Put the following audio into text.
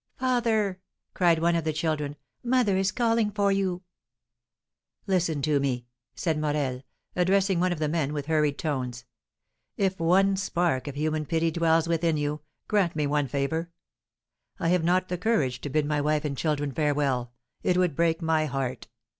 "Father!" cried one of the children, "mother is calling for you!" "Listen to me!" said Morel, addressing one of the men with hurried tones; "if one spark of human pity dwells within you, grant me one favour! I have not the courage to bid my wife and children farewell; it would break my heart!